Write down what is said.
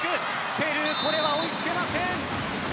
ペルー、これは追いつけません。